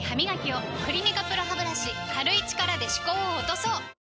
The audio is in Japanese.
「クリニカＰＲＯハブラシ」軽い力で歯垢を落とそう！